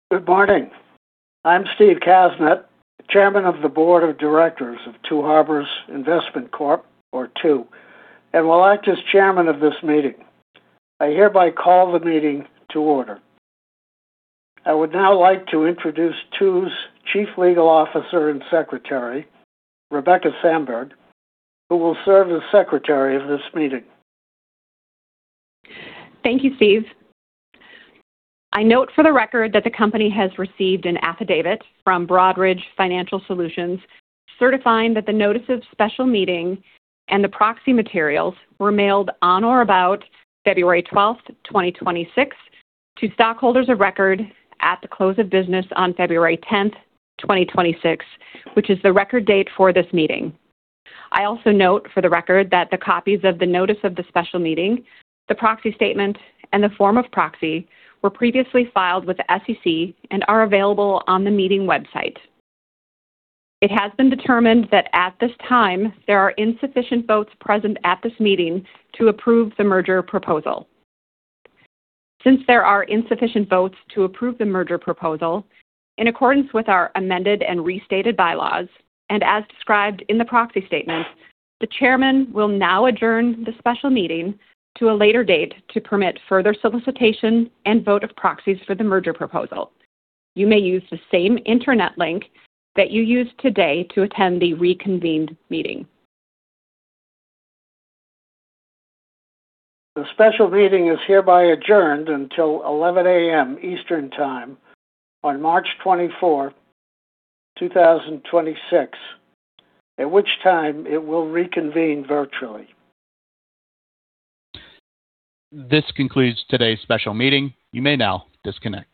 Good morning. I'm Steve Kasnet, Chairman of the Board of Directors of Two Harbors Investment Corp., or TWO, and will act as Chairman of this meeting. I hereby call the meeting to order. I would now like to introduce TWO's Chief Legal Officer and Secretary, Rebecca Sandberg, who will serve as Secretary of this meeting. Thank you, Steve. I note for the record that the company has received an affidavit from Broadridge Financial Solutions certifying that the notice of special meeting and the proxy materials were mailed on or about February 12th, 2026, to stockholders of record at the close of business on February 10th, 2026, which is the record date for this meeting. I also note for the record that the copies of the notice of the special meeting, the proxy statement, and the form of proxy were previously filed with the SEC and are available on the meeting website. It has been determined that at this time, there are insufficient votes present at this meeting to approve the merger proposal. Since there are insufficient votes to approve the merger proposal, in accordance with our amended and restated bylaws, and as described in the proxy statement, the Chairman will now adjourn the special meeting to a later date to permit further solicitation and vote of proxies for the merger proposal. You may use the same internet link that you used today to attend the reconvened meeting. The special meeting is hereby adjourned until 11:00 A.M. Eastern Time on March 24, 2026, at which time it will reconvene virtually. This concludes today's special meeting. You may now disconnect.